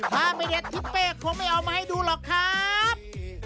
ถ้าไม่เด็ดทิศเป้คงไม่เอามาให้ดูหรอกครับ